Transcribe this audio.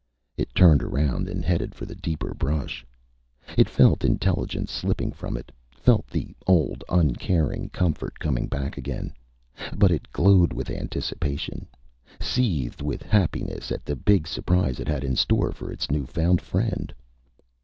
It turned around and headed for the deeper brush. It felt intelligence slipping from it, felt the old, uncaring comfort coming back again. But it glowed with anticipation, seethed with happiness at the big surprise it had in store for its new found friend.